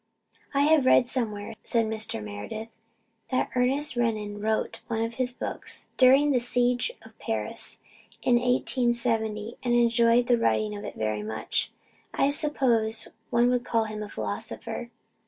"I have read somewhere," said Mr. Meredith, "that Ernest Renan wrote one of his books during the siege of Paris in 1870 and 'enjoyed the writing of it very much.' I suppose one would call him a philosopher."